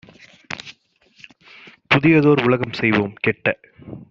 புதியதோர் உலகம் செய்வோம் - கெட்ட